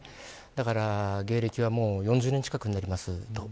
だから芸歴は４０年近くなります。